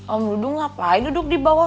om budu ngapain duduk di bawah